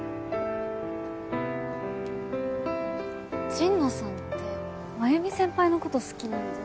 神野さんて繭美先輩のこと好きなんじゃ。